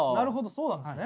そうなんですね。